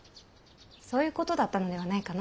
そういうことだったのではないかの。